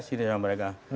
sisi dengan mereka